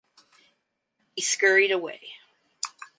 He scurried away.